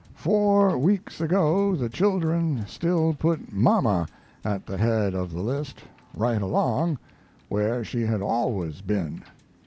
Four weeks ago the children still put Mama at the head of the list right along, where she had always been.